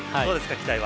期待は。